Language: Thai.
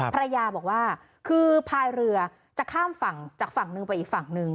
ภรรยาบอกว่าคือพายเรือจะข้ามฝั่งจากฝั่งหนึ่งไปอีกฝั่งหนึ่ง